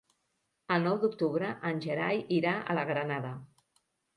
El nou d'octubre en Gerai irà a la Granada.